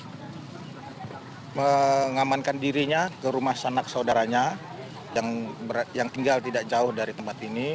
saya mengamankan dirinya ke rumah sanak saudaranya yang tinggal tidak jauh dari tempat ini